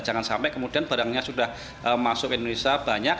jangan sampai kemudian barangnya sudah masuk ke indonesia banyak